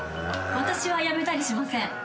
私は辞めたりしません。